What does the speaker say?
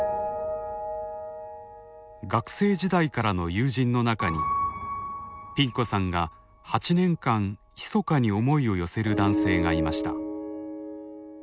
学生時代からの友人の中にピン子さんが８年間ひそかに思いを寄せる男性がいました。